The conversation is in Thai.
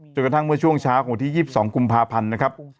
กระทั่งเมื่อช่วงเช้าของวันที่๒๒กุมภาพันธ์นะครับ